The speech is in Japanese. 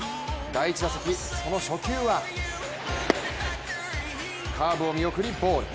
第１打席、その初球はカーブを見送りボール。